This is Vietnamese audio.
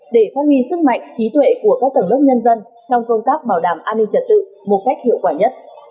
để phát huy sức mạnh trí tuệ của các tầng lớp nhân dân trong công tác bảo đảm an ninh trật tự một cách hiệu quả nhất